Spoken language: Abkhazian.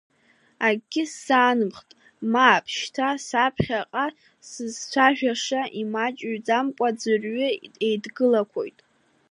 Акгьы сзаанымхт, мап, шьҭа саԥхьаҟа сзыцәшәаша, имаҷыҩӡамкәан ӡәырҩы еидгылақәоит…